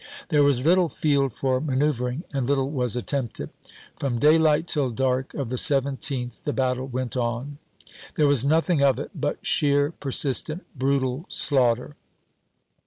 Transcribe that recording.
There was little field for manoeuvering, and little was attempted. From daylight till dark of the 17th the battle went on. There was nothing of it but sheer, persistent, brutal slaughter.